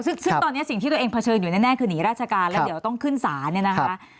ซึ่งตอนนี้สิ่งที่ตัวเองเผชิญอยู่แน่คือหนีราชการแล้วเดี๋ยวต้องขึ้นศาลเนี่ยนะคะ